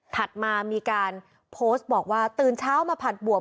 มามีการโพสต์บอกว่าตื่นเช้ามาผัดบวบ